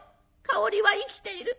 香織は生きている。